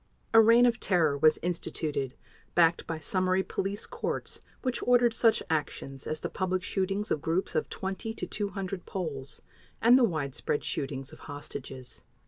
A reign of terror was instituted, backed by summary police courts which ordered such actions as the public shootings of groups of 20 to 200 Poles, and the widespread shootings of hostages.